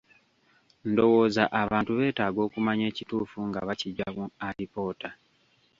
Ndowooza abantu beetaaga okumanya ekituufu nga bakiggya mu alipoota.